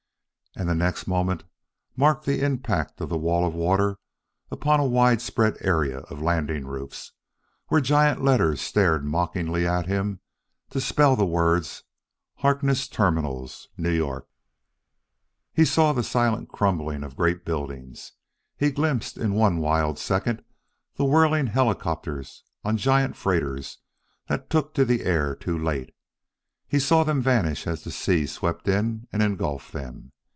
And the next moment marked the impact of the wall of water upon a widespread area of landing roofs, where giant letters stared mockingly at him to spell the words: Harkness Terminals, New York. He saw the silent crumbling of great buildings; he glimpsed in one wild second the whirling helicopters on giant freighters that took the air too late; he saw them vanish as the sea swept in and engulfed them.